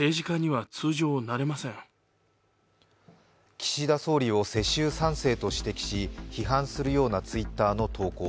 岸田総理を世襲３世と投稿し、批判するようなＴｗｉｔｔｅｒの投稿。